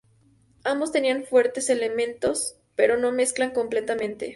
Ambos tenían fuertes elementos, pero no mezclan completamente".